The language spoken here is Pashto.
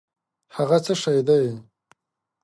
هٔغه څه شی دی؟